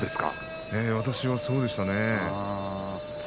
私はそうでした。